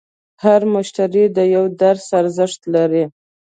هر مشتری د یوه درس ارزښت لري.